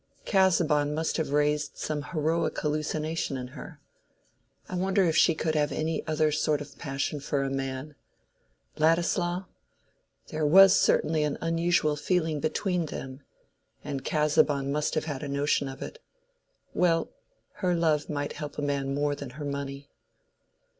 Casaubon must have raised some heroic hallucination in her. I wonder if she could have any other sort of passion for a man? Ladislaw?—there was certainly an unusual feeling between them. And Casaubon must have had a notion of it. Well—her love might help a man more than her money."